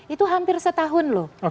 itu hampir setahun loh